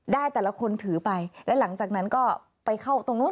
แต่ละคนถือไปแล้วหลังจากนั้นก็ไปเข้าตรงนู้น